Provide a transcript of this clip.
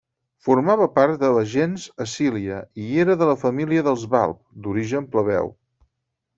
Formava part de la gens Acília, i era de la família dels Balb, d'origen plebeu.